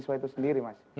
tentang itu sendiri mas